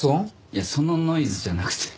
いやそのノイズじゃなくて。